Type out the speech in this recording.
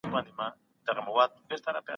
تاریخ به هېڅکله ظالمان ونه بښي.